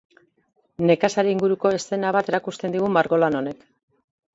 Nekazari inguruko eszena bat erakusten digu margolan honek.